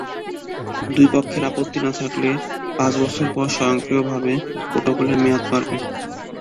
দুই পক্ষের আপত্তি না থাকলে পাঁচ বছর পর স্বয়ংক্রিয়ভাবে প্রটোকলের মেয়াদ বাড়বে।